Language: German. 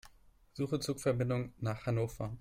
Suche Zugverbindungen nach Hannover.